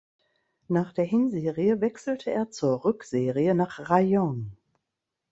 Nach der Hinserie wechselte er zur Rückserie nach Rayong.